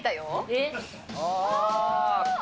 えっ？